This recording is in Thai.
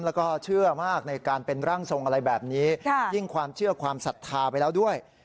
แล้วก็เชื่อมากในการเป็นร่างทรงอะไรแบบนี้ยิ่งความเชื่อความศรัทธาไปแล้วด้วย